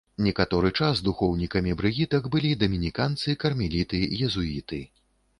Некаторы час духоўнікамі брыгітак былі дамініканцы, кармеліты, езуіты.